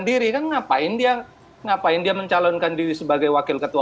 diri kan ngapain dia ngapain dia mencalonkan diri sebagai wakil ketua